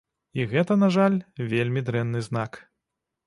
І гэта, на жаль, вельмі дрэнны знак.